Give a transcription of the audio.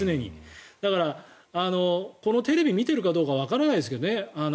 だからこのテレビを見ているかどうかわからないですけどね。